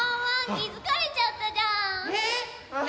きづかれちゃったじゃん！